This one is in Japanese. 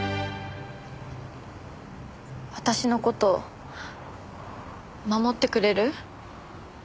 私の事守ってくれる？